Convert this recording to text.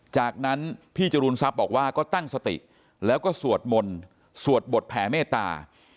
จากนั้นพี่จรูนทรัพย์บอกว่าก็ตั้งสติแล้วก็สวดมนต์สวดบทแผ่เมตตา